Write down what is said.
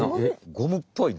ゴムっぽいな。